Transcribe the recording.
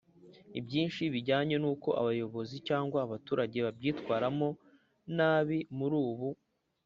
ibyinshi bijyanye n uko abayobozi cyangwa abaturage babyitwaramo nabi Muri ubu